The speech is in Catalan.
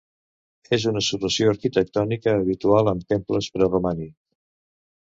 És una solució arquitectònica habitual en temples preromànics.